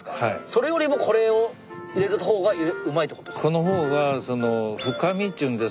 それよりもこれを入れるほうがうまいってことですか？